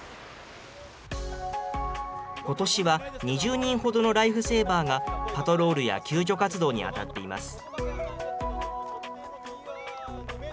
ことしは２０人ほどのライフセーバーが、パトロールや救助活動に当たっています。